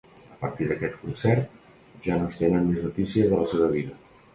A partir d'aquest concert ja no es tenen més notícies de la seva vida.